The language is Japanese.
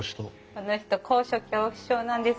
この人高所恐怖症なんです。